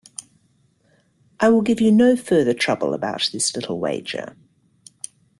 I will give you no further trouble about this little wager.